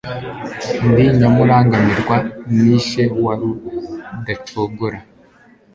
ndi nyamurangamirwa nishe wa Rudacogora